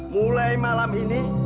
mulai malam ini